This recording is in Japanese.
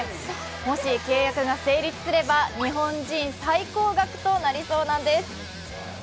もし契約が成立すれば日本人最高額となりそうです。